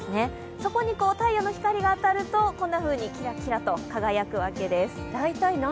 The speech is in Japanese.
そこに太陽の光が当たるとキラキラと輝くわけです。